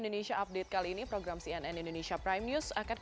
terima kasih ujaya